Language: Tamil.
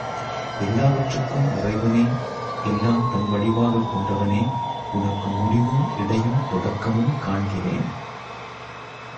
எல்லாவற்றுக்கும் இறைவனே, எல்லாம் தன் வடிவாகக் கொண்டவனே, உனக்கு முடிவும் இடையும் தொடக்கமும் காண்கிலேன்.